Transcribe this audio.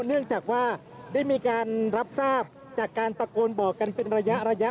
เนื่องจากว่าได้มีการรับทราบจากการตะโกนบอกกันเป็นระยะ